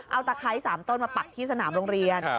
เอาตะไคร้๓ต้นมาปักที่สนามโรงเรียน